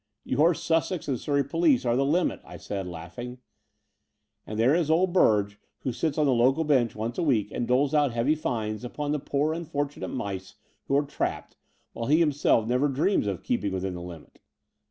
Your Sussex and Surrey police are the limit,*' I said, laughing: ''and there is old Burge, who sits on the local bench once a week and doles out heavy fines upon the poor unfortunate mice who are trapped, while he himself never dreams of keeping within the limit."